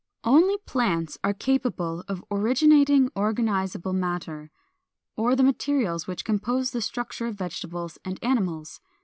445. Only plants are capable of originating organizable matter, or the materials which compose the structure of vegetables and animals.